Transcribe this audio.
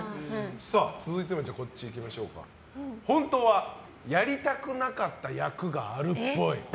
続いて、本当はやりたくなかった役があるっぽい。